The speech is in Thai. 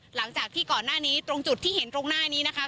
หลังจากที่ก่อนหน้านี้ตรงจุดที่เห็นตรงหน้านี้นะคะ